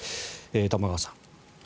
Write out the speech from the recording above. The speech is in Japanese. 玉川さん。